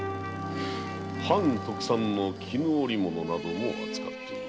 藩特産の絹織物なども扱っていよう。